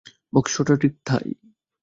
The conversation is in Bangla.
বক্সটা ঠিক তাই।